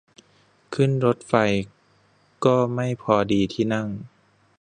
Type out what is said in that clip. ขึ้นรถไฟก็ไม่พอดีที่นั่ง